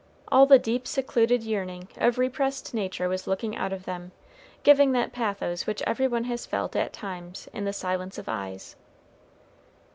All the deep secluded yearning of repressed nature was looking out of them, giving that pathos which every one has felt at times in the silence of eyes.